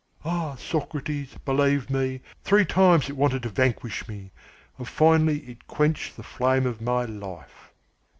"Ah, Socrates, believe me, three times it wanted to vanquish me, and finally it quenched the flame of my life!"